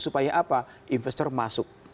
supaya apa investor masuk